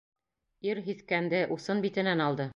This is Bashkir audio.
Ир һиҫкәнде, усын битенән алды.